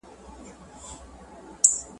د جنګ خبري خوږې وي خو ساعت یې تریخ وي `